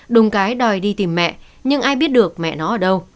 đùng cái đòi đi tìm mẹ nhưng ai biết được mẹ nó ở đâu